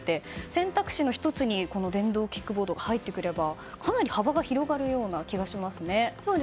選択肢の１つにこの電動キックボードが入ってくればかなり幅が広がるような気がしますね。